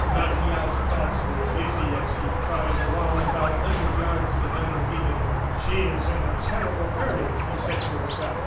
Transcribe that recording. Martial's thoughts were busy as he trotted along about a hundred yards behind the vehicle. "She is in a terrible hurry," he said to himself.